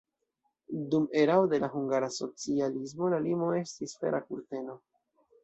Dum erao de la hungara socialismo la limo estis Fera kurteno.